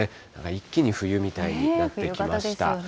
一気に冬みたいになってきました。